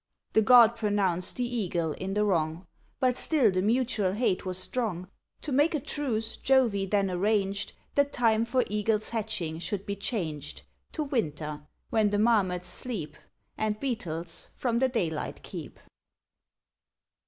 The god pronounced the Eagle in the wrong, But still the mutual hate was strong. To make a truce, Jove then arranged The time for Eagles' hatching should be changed To winter, when the marmots sleep, And Beetles from the daylight keep.